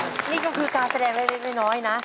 ขอบคุณมากนี่ก็คือการแสดงไปเล็กน้อยนะ